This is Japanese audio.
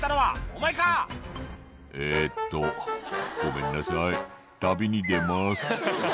お前か⁉」「えっとごめんなさい旅に出ます」